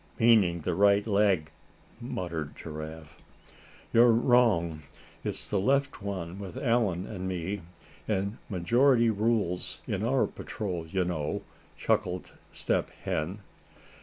"Meanin' the right leg," muttered Giraffe. "You're wrong it's the left one with Allan and me, and majority rules in our patrol, you know," chuckled Step Hen.